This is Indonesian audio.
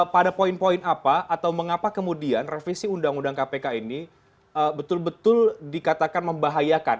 pada poin poin apa atau mengapa kemudian revisi undang undang kpk ini betul betul dikatakan membahayakan